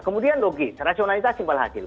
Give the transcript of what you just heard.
kemudian logis rasionalitas simpel hasil